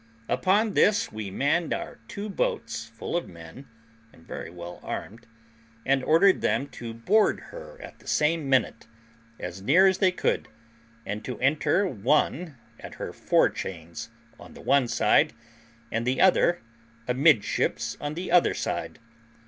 Upon this we manned out two boats full of men, and very well armed, and ordered them to board her at the same minute, as near as they could, and to enter one at her fore chains on the one side, and the other amidships on the other side.